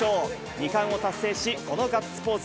２冠を達成し、このガッツポーズ。